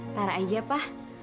ntar aja pa